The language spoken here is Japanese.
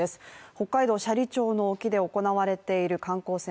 北海道斜里町の沖で行われている観光船